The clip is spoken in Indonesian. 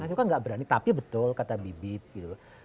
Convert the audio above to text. saya juga enggak berani tapi betul kata bibi gitu loh